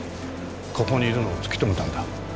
ここにいるのを突き止めたんだ。